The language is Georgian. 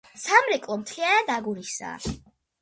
სამრეკლო მთლიანად აგურისაა.